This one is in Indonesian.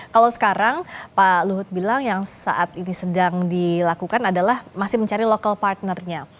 kalau sekarang pak luhut bilang yang saat ini sedang dilakukan adalah masih mencari local partnernya